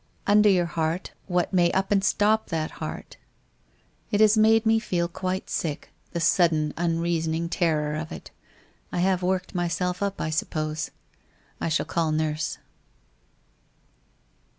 Under your heart, what may up and stop that heart ! It has made me feel quite sick, the sudden unreasoning terror of it. I have worked myself up, I suppose ? I shall call nurse.